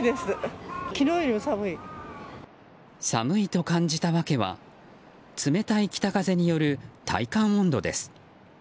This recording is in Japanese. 寒いと感じたわけは冷たい北風による体感温度です。